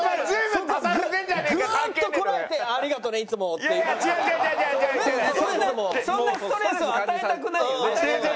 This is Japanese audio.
そんなそんなストレスを与えたくないよね。